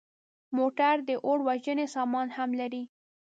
موټر د اور وژنې سامان هم لري.